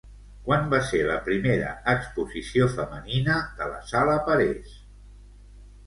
Quan va ser la primera Exposició Femenina de la Sala Parés?